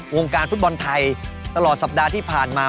วงการฟุตบอลไทยตลอดสัปดาห์ที่ผ่านมา